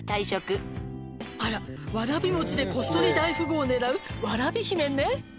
「あらわらびもちでこっそり大富豪を狙う」